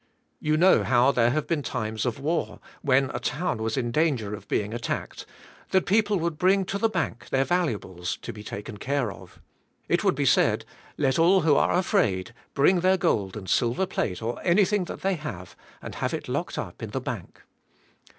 You know how there have been times of war, when a town was in danger of being attacked, that people would jnsvs ABi, Ej TO KK:ep. 220 bring to the bank their valuables to be taken care of. It would be said, * *Let all who are afraid bring their g old and silver plate or anything that they have and have it locked up in the bank."